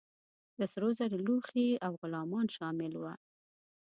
د سرو زرو لوښي او غلامان شامل وه.